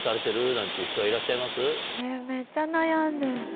めっちゃ悩んでる。